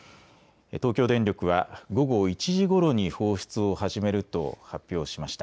東京電力は、午後１時ごろに放出を始めると発表しました。